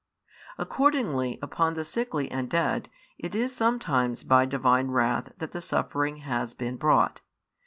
Accordingly, upon the sickly and dead, it is sometimes by Divine wrath that the suffering has been brought.